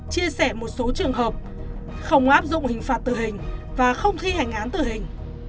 chia sẻ một số trường hợp không áp dụng hình phạt tử hình và không thi hành án tử hình